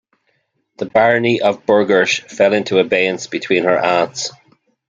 The barony of Burghersh fell into abeyance between her aunts.